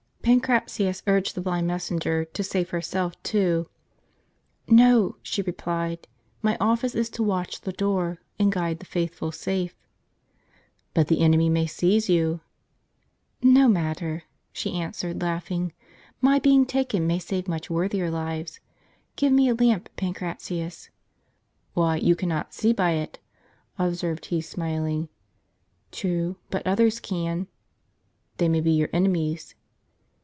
Pancratius urged the blind messengei to save herself too. "No," she replied, "my office is to watch the door, and guide the faithful safe." " But the enemy may seize you." "No matter," she answered, laughing; "my being taken may save much worthier lives. Give me a lamp, Pancratius." "Why, you cannot see by it," observed he, smiling. "True, but others can." " They may be your enemies."